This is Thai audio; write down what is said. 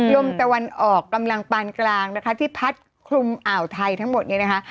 ลมตะวันออกกำลังปานกลางนะคะที่พัดคลุมอ่าวไทยทั้งหมดเนี่ยนะคะ